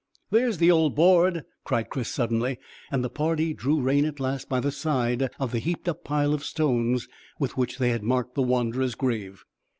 "There's the old board," cried Chris suddenly, and the party drew rein at last by the side of the heaped up pile of stones with which they had marked the wanderer's grave.